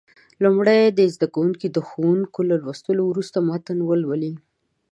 لومړی دې زده کوونکي د ښوونکي له لوستلو وروسته متن ولولي.